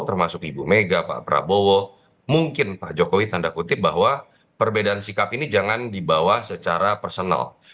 termasuk ibu mega pak prabowo mungkin pak jokowi tanda kutip bahwa perbedaan sikap ini jangan dibawa secara personal